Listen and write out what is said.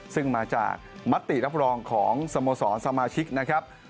ซึ่งมาจากมติรับรองของสโมสรสมาชิกนะครับ